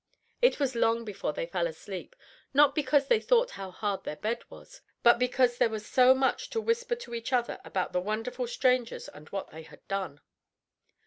It was long before they fell asleep, not because they thought how hard their bed was, but because there was so much to whisper to each other about the wonderful strangers and what they had done.